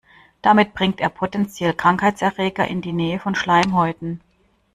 Damit bringt er potenziell Krankheitserreger in die Nähe von Schleimhäuten.